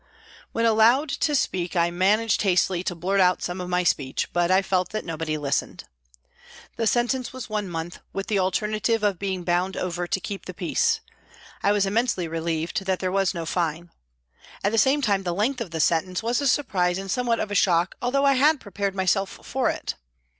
When allowed to speak, I managed hastily to blurt out some of my speech, but I felt that nobody listened. The sentence was one month, with the alternative of being bound over to "keep the peace." I was immensely relieved that there was no fine. At the same time the length of the sentence was a surprise and somewhat of a shock, although I had prepared myself for it.